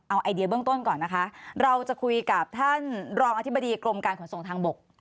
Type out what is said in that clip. เอาไอเดียเบื้องต้นก่อนนะคะเราจะคุยกับท่านรองอธิบดีกรมการขนส่งทางบก